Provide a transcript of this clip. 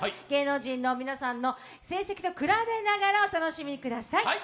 芸能人の皆さんの成績と比べながらお楽しみください。